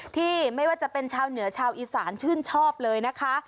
ไม่ว่าจะเป็นชาวเหนือชาวอีสานชื่นชอบเลยนะคะ